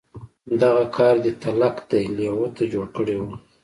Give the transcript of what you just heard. دغه کار دی تلک دې لېوه ته جوړ کړی و.